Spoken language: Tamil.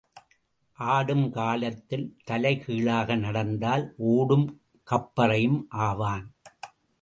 ஆடும்காலத்தில் தலைகீழாக நடந்தால் ஓடும் கப்பறையும் ஆவான்.